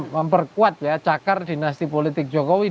memperkuat ya cakar dinasti politik jokowi